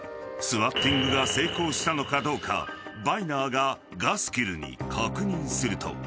［スワッティングが成功したのかどうかバイナーがガスキルに確認すると］